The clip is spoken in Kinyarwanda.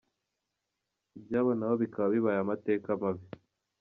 Ibyabo nabo bikaba bibaye amateka mabi!